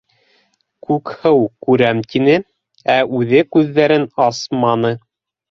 - Күкһыу «күрәм» тине, ә үҙе күҙҙәрен асманы.